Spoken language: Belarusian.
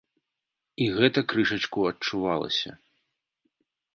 І гэта крышачку адчувалася.